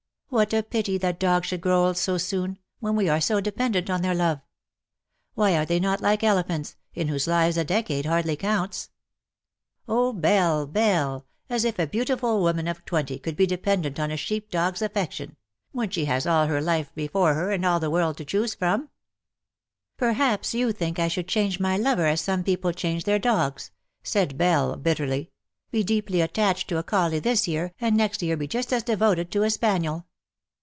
"What a pity that dogs should grow old so soon, when we are so dependent on their love. Why are they not like elephants, in whose lives a decade hardly counts ?''" Oh, Belle, Belle, as if a beautiful woman of twenty could be dependent on a sheep dog's affection — when she has all her life before her and all the Avorld to choose from.'' " Perhaps you think I could change my lover as some people change their dogs," said Belle, bitterly, " be deeply attached to a colley this year and next year be just as devoted to a spaniel.